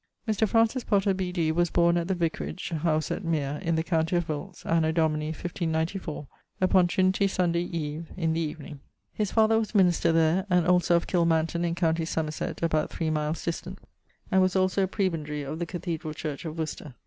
Mr. Francis Potter, B.D., was borne at the [vicaridge] house at Mere in the county of Wiltes, anno Domini [1594, upon Trinity Sunday eve, in the evening]. His father was minister there, and also of Kilmanton in com. Somerset about 3 miles distant, and was also a prebendary of the Cathedrall Church of Worcester.